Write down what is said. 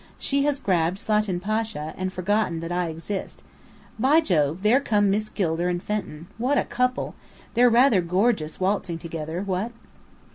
She has grabbed Slatin Pasha, and forgotten that I exist. By jove, there come Miss Gilder and Fenton. What a couple! They're rather gorgeous, waltzing together what?"